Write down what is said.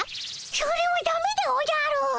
それはだめでおじゃる。